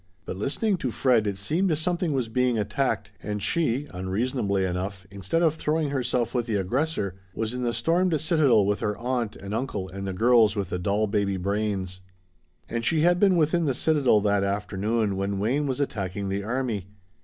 But listening to Fred, it seemed something was being attacked, and she, unreasonably enough, instead of throwing herself with the aggressor was in the stormed citadel with her aunt and uncle and the girls with the doll baby brains. And she had been within the citadel that afternoon when Wayne was attacking the army.